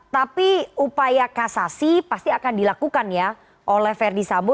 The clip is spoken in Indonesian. tapi upaya kasasi pasti akan dilakukan ya oleh verdi sambo